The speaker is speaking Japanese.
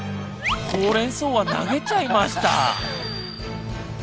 ほうれんそうは投げちゃいました。